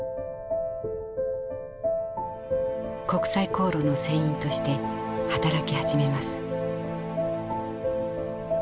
国際航路の船員として働き始めます。